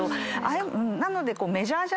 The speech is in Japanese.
なので。